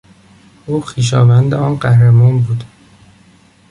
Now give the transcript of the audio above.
او خویشاوند آن قهرمان بود.